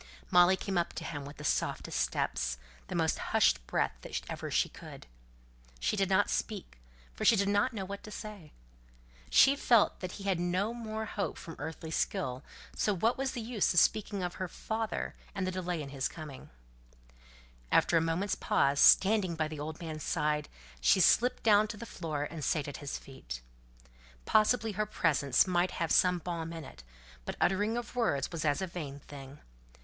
Molly came up to him with the softest steps, the most hushed breath that ever she could. She did not speak, for she did not know what to say. She felt that he had no more hope from earthly skill, so what was the use of speaking of her father and the delay in his coming? After a moment's pause, standing by the old man's side, she slipped down to the floor, and sat at his feet. Possibly her presence might have some balm in it; but uttering of words was as a vain thing.